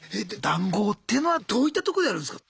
談合っていうのはどういったとこでやるんすか？